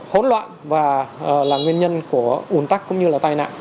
hỗn loạn và là nguyên nhân của ủn tắc cũng như là tai nạn